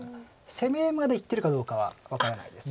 攻めまでいってるかどうかは分からないです。